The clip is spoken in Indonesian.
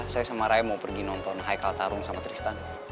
saya sama raya mau pergi nonton haikal tarung sama tristan